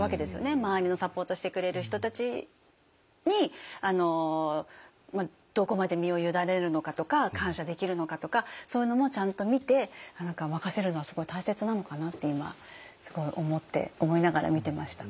周りのサポートしてくれる人たちにどこまで身を委ねるのかとか感謝できるのかとかそういうのもちゃんと見て任せるのはすごい大切なのかなって今思いながら見てました。